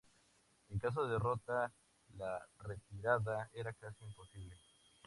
En caso de derrota, la retirada era casi imposible.